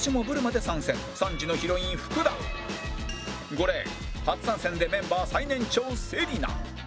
５レーン初参戦でメンバー最年長芹那